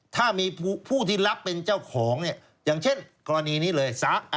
ถ้ามีผู้ที่รับเป็นเจ้าของเนี่ยอย่างเช่นกรณีนี้เลย